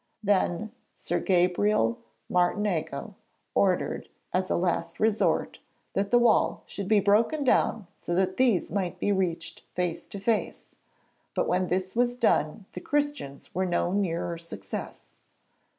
Then Sir Gabriel Martinengo ordered, as a last resource, that the wall should be broken down so that these might be reached face to face, but when this was done the Christians were no nearer success.